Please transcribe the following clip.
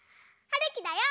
はるきだよ。